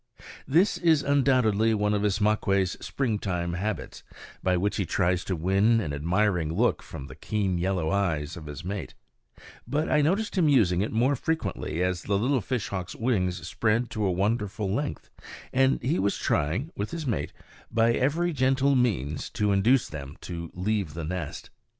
This is undoubtedly one of Ismaques' springtime habits, by which he tries to win an admiring look from the keen yellow eyes of his mate; but I noticed him using it more frequently as the little fishhawks' wings spread to a wonderful length, and he was trying, with his mate, by every gentle means to induce them to leave the nest.